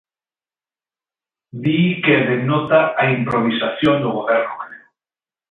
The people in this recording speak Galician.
Di que denota a improvisación do Goberno galego.